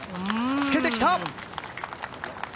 つけてきた！